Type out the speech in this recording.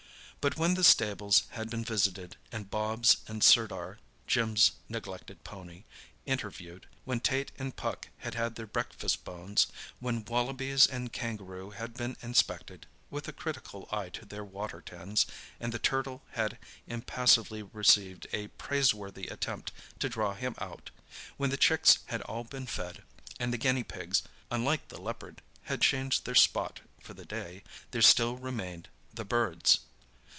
But when the stables had been visited and Bobs and Sirdar (Jim's neglected pony) interviewed; when Tait and Puck had had their breakfast bones; when wallabies and kangaroo had been inspected (with a critical eye to their water tins), and the turtle had impassively received a praiseworthy attempt to draw him out; when the chicks had all been fed, and the guinea pigs (unlike the leopard) had changed their spot for the day—there still remained the birds.